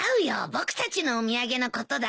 僕たちのお土産のことだよ。